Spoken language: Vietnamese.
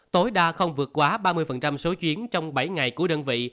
tối đa không vượt quá ba mươi số chuyến trong bảy ngày của đơn vị